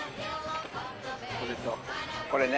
これとこれね。